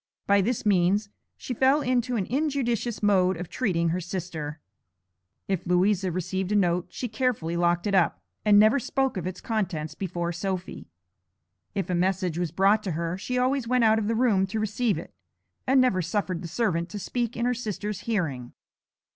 By this means she fell into an injudicious mode of treating her sister. If Louisa received a note she carefully locked it up, and never spoke of its contents before Sophy. If a message was brought to her she always went out of the room to receive it, and never suffered the servant to speak in her sister's hearing.